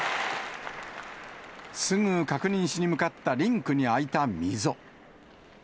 すぐ確認しに向かったリンクに開いた溝。